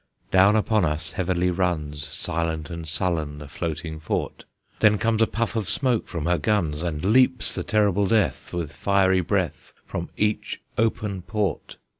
Down upon us heavily runs, Silent and sullen, the floating fort; Then comes a puff of smoke from her guns, And leaps the terrible death, With fiery breath, From each open port.